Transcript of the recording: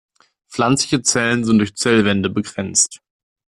Pflanzliche Zellen sind durch Zellwände begrenzt.